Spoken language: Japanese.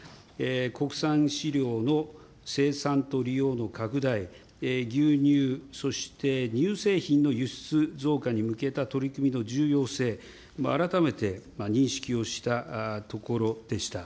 国産飼料の生産と利用の拡大、牛乳、そして乳製品の輸出増加に向けた取り組みの重要性、改めて認識をしたところでした。